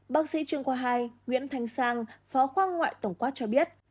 bác sĩ chuyên khoa hai nguyễn thanh sang phó khoa ngoại tổng quát cho biết